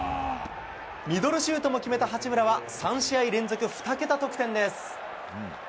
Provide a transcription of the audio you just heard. ミドルシュートも決めた八村は３試合連続２桁得点です。